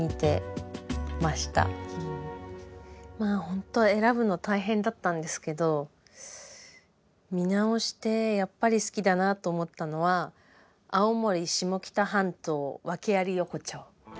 まあほんと選ぶの大変だったんですけど見直してやっぱり好きだなと思ったのは「青森・下北半島“ワケあり”横丁」。